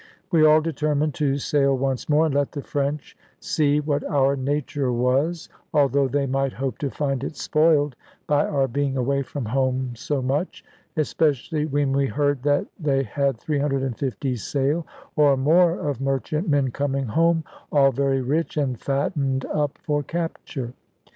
We all determined to sail once more, and let the French see what our nature was (although they might hope to find it spoiled, by our being away from home so much); especially when we heard that they had 350 sail or more of merchantmen coming home, all very rich, and fattened up for capture.